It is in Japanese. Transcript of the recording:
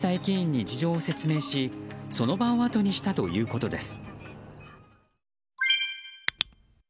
男性は様子を見に来た駅員に事情を説明しその場をあとにしたということです。